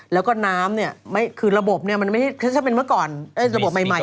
แล้วก็น้ำคือระบบถ้าเป็นเมื่อก่อนระบบใหม่